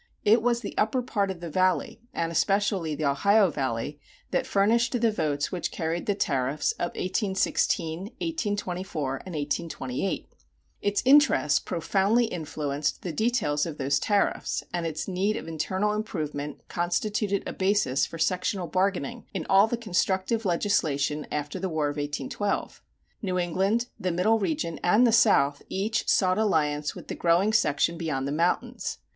It was the upper part of the Valley, and especially the Ohio Valley, that furnished the votes which carried the tariffs of 1816, 1824, and 1828. Its interests profoundly influenced the details of those tariffs and its need of internal improvement constituted a basis for sectional bargaining in all the constructive legislation after the War of 1812. New England, the Middle Region, and the South each sought alliance with the growing section beyond the mountains.